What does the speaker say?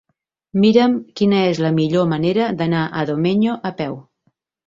Mira'm quina és la millor manera d'anar a Domenyo a peu.